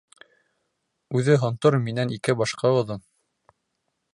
Үҙе һонтор, минән ике башҡа оҙон.